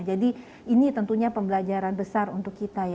jadi ini tentunya pembelajaran besar untuk kita